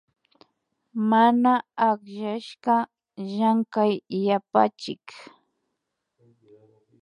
Mana akllashka Llankay yapachik